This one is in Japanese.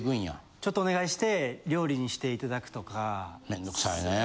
ちょっとお願いして料理にしていただくとか。